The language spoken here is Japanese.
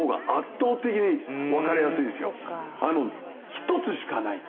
一つしかない。